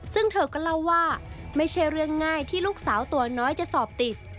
ซึ่งเธอก็เล่าว่าไม่ใช่เรื่องง่ายที่ลูกสาวตัวน้อยจะสอบติด